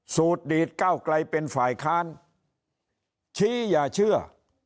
สูตรดีดเก้าไกลเป็นฝ่ายค้านชี้อย่าเชื่อ